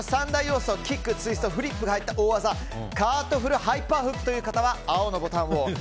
キック、ツイスト、フリップが入った大技カートフルハイパーフックという方は青のボタンを。